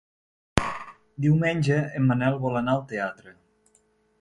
Diumenge en Manel vol anar al teatre.